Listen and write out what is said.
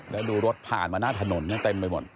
แล้วดูรถผ่านมาหน้าถนนเต็มไปหมด